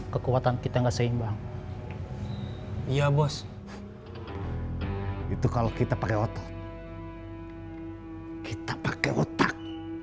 kekuatan kita enggak seimbang iya bos itu kalau kita pakai otot kita pakai otak